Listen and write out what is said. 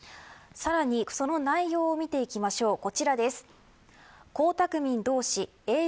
さらに、その内容を見ていきましょう、こちらです。